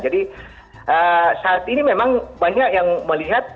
jadi saat ini memang banyak yang melihat